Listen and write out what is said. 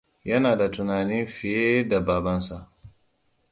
Yana da tunani fiye da babansa.